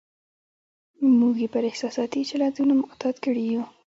موږ یې پر احساساتي چلندونو معتاد کړي یو.